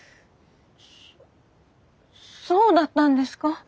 そそうだったんですか？